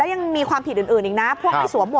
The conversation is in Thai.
ก็ไม่มีอำนาจ